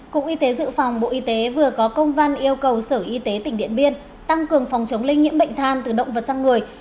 cục y tế dự phòng bộ y tế vừa có công văn yêu cầu sở y tế tỉnh điện biên tăng cường phòng chống lây nhiễm bệnh than từ động vật sang người